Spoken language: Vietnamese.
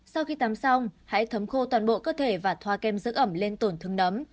sau khi tắm xong hãy thấm khô toàn bộ cơ thể và thoa kem dưỡng ẩm lên tổn thương nấm